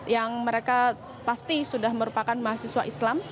yang mereka pasti sudah merupakan mahasiswa islam